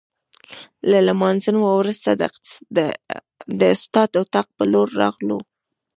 له لمانځه وروسته د استاد د اتاق په لور راغلو.